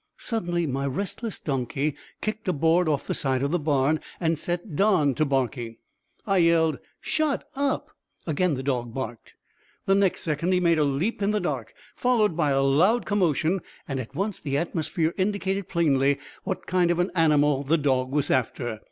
Suddenly my restless donkey kicked a board off the side of the barn and set Don to barking. I yelled, "Shut up!" Again the dog barked. The next second he made a leap in the dark, followed by a loud commotion, and at once the atmosphere indicated plainly what kind of an animal the dog was after.